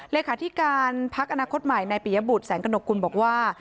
เลขาธิการพักอนาคตใหม่ในปียบุตรแสงกระหนกกุลบอกว่า